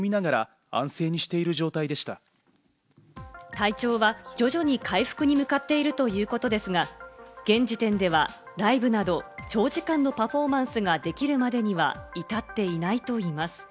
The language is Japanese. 体調は徐々に回復に向かっているということですが、現時点ではライブなど長時間のパフォーマンスができるまでには至っていないと言います。